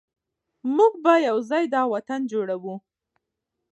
موږ به یو ځای دا وطن جوړوو.